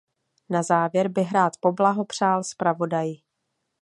Na závěr bych rád poblahopřál zpravodaji.